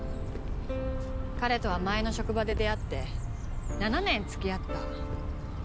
彼とは前の職場で出会って７年付き合った。